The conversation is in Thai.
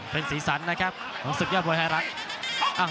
เป็นสีสันนะครับของศึกยอดบริหารักษ์